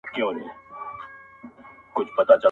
o بل وايي موږ خپل درد لرو او څوک نه پوهېږي,